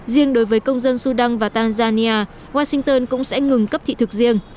riêng đối với công dân sudan và tanzania washington cũng sẽ ngừng cấp thị thực riêng